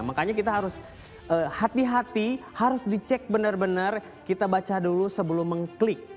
makanya kita harus hati hati harus dicek benar benar kita baca dulu sebelum mengklik